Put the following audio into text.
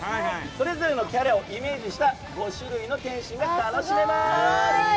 それぞれのキャラをイメージした５種類の点心が楽しめます。